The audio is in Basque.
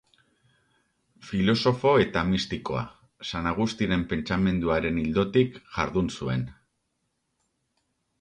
Filosofo eta mistikoa, San Agustinen pentsamenduaren ildotik jardun zuen.